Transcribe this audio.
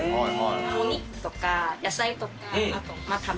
お肉とか野菜とか、あとは卵。